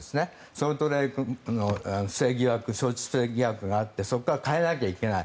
ソルトレークシティーの不正招致疑惑があってそこから変えなきゃいけない。